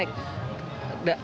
naiknya itu kebanyakan